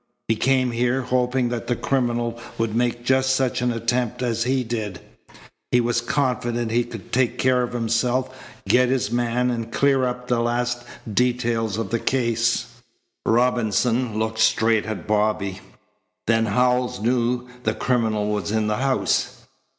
He came here, hoping that the criminal would make just such an attempt as he did. He was confident he could take care of himself, get his man, and clear up the last details of the case." Robinson looked straight at Bobby. "Then Howells knew the criminal was in the house."